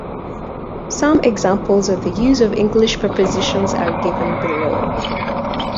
Some examples of the use of English prepositions are given below.